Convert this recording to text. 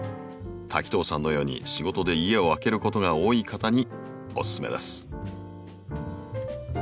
滝藤さんのように仕事で家を空けることが多い方におすすめです。